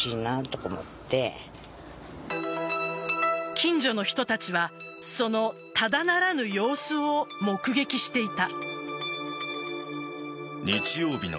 近所の人たちはそのただならぬ様子を目撃していた。